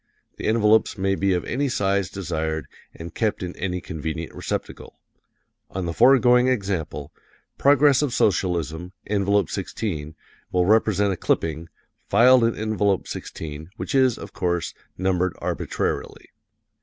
The envelopes may be of any size desired and kept in any convenient receptacle. On the foregoing example, "Progress of S., Envelope 16," will represent a clipping, filed in Envelope 16, which is, of course, numbered arbitrarily.